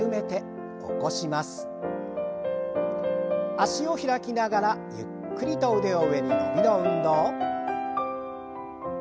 脚を開きながらゆっくりと腕を上に伸びの運動。